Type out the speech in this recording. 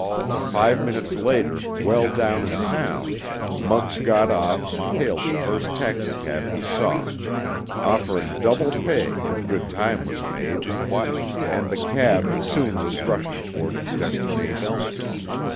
Five minutes later, well down in town, Muggs got off and hailed the first taxicab he saw, offering double pay if good time was made, and the cab soon was rushing toward its destination.